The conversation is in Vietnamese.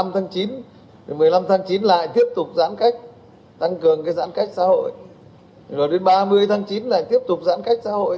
một mươi một mươi năm tháng chín lại tiếp tục giãn cách tăng cường cái giãn cách xã hội rồi đến ba mươi tháng chín lại tiếp tục giãn cách xã hội